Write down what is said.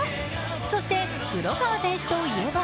そして黒川選手といえば